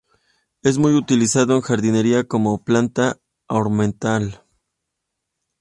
Es muy utilizado en jardinería como planta ornamental.